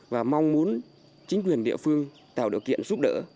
và mong muốn chính quyền địa phương tạo điều kiện giúp đỡ